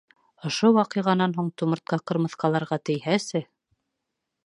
Ошо ваҡиғанан һуң тумыртҡа ҡырмыҫҡаларға тейһәсе!